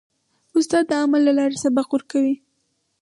استاد د عمل له لارې سبق ورکوي.